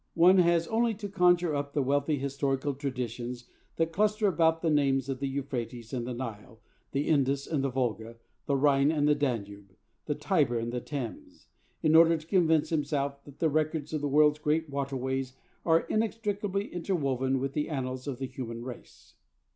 One has only to conjure up the wealthy historical traditions that cluster about the names of the Euphrates and the Nile, the Indus and the Volga, the Rhine and the Danube, the Tiber and the Thames, in order to convince himself that the records of the world's great waterways are inextricably interwoven with the annals of the human race.